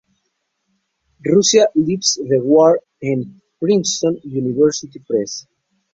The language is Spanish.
Russia Leaves the War en Princeton University Press.